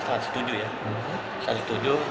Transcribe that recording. saya sangat setuju ya